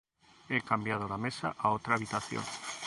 He cambiado la mesa a otra habitación.